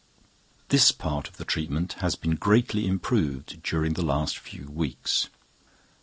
This part of the treatment has been greatly improved during the past few weeks.